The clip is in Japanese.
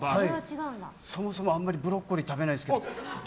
そもそもあんまりブロッコリー食べないですけど。